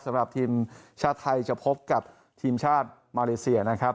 สำหรับทีมชาติไทยจะพบกับทีมชาติมาเลเซียนะครับ